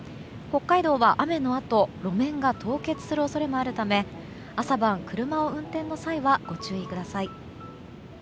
北海道は、雨のあと路面が凍結する恐れもあるため朝晩車を運転の際はご注意ください。